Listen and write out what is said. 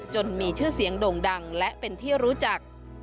มีชื่อเสียงโด่งดังและเป็นที่รู้จัก